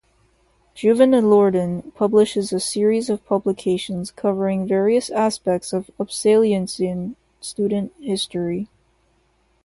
Juvenalorden publishes a series of publications covering various aspects of Upsaliensian student history.